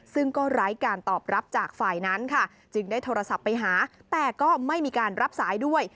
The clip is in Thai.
ซึ่งก็ไร้การตอบรับจากฝ่ายนั้นค่ะจึงได้โทรศัพท์ไปหาแต่ก็ไม่มีการรับสายด้วย